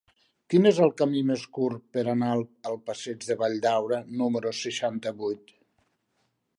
Quin és el camí més curt per anar al passeig de Valldaura número seixanta-vuit?